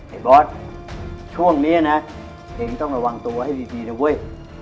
ไอบอสช่วงนี้นะเดี๋ยวนี้ต้องระวังตัวให้บีบีนะเว้ย